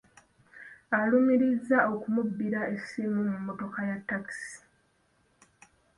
Amulumiriza okumubbira essimu mu mmotoka ya takisi.